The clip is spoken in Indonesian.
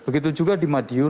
begitu juga di madiun